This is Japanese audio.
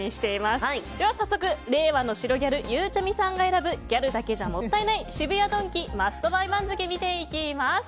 では早速、令和の白ギャルゆうちゃみさんが選ぶギャルだけじゃもったいない渋谷ドンキマストバイ番付を見ていきます。